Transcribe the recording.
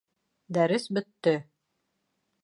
Дәрес бөттө!